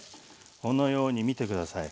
このように見て下さい。